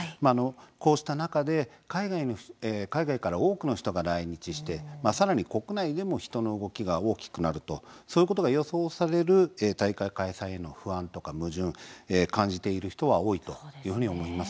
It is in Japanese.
こうした中で海外から多くの人が来日しさらに国内でも人の動きが大きくなることが予想される大会開催への不安とか矛盾を感じている人、多いと思います。